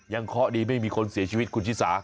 ยังข้อดีไม่มีคนเสียชีวิตคุณชิสา